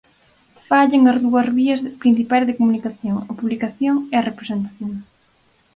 Fallan as dúas vías principais de comunicación: a publicación e a representación.